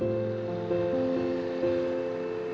aku emang kecewa banget